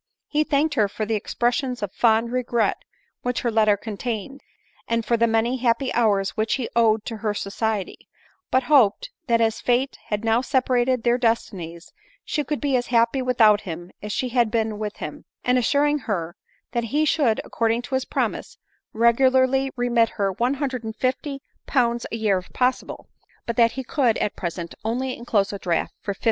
He thanked her for the expressions of fond regret which her letter contained, and for the many happy hours which he owed to her society ; but hoped, that as Fate had now separated their destinies, she could be as happy without him as she had been with him ; and assuring *her that he should, according to his promise, regularly ADELINE MOWBRAY. 237 remit her 150Z. a year if possible, but that he could at present only enclose a draft for 50?.